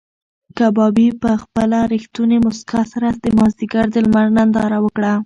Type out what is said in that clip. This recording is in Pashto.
کبابي په خپله رښتونې موسکا سره د مازدیګر د لمر ننداره وکړه.